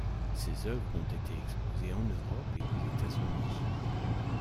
Ses œuvres ont été exposées en Europe et aux États-Unis.